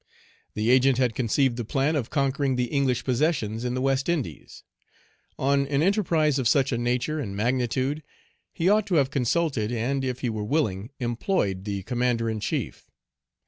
The Agent had conceived the plan of conquering the English possessions in the West Indies. On an enterprise of such a nature and magnitude, he ought to have consulted, and, if he were willing, employed, the Commander in chief.